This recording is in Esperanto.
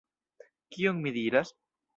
Kion mi diras?